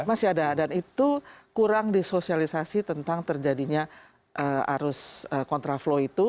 masih ada dan itu kurang disosialisasi tentang terjadinya arus kontraflow itu